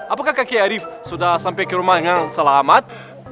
apakah kaki arief sudah sampai ke rumah dengan selamat